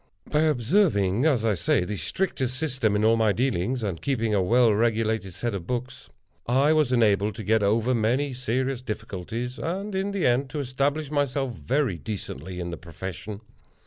By observing, as I say, the strictest system in all my dealings, and keeping a well regulated set of books, I was enabled to get over many serious difficulties, and, in the end, to establish myself very decently in the profession.